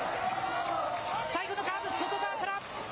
最後のカーブ、外側から。